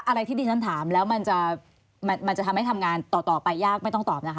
อะไรที่ดิฉันถามแล้วมันจะทำให้ทำงานต่อไปยากไม่ต้องตอบนะคะ